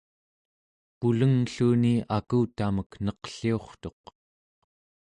pulenglluni akutamek neqliurtuq